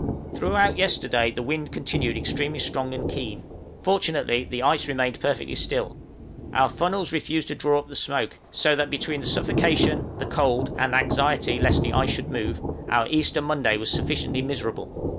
Throughout yesterday the wind continued extremely strong and keen, fortunately the ice remained perfectly still: our funnels refused to draw up the smoke; so that between the suffocation, the cold, and anxiety lest the ice should move, our Easter Monday was sufficiently miserable.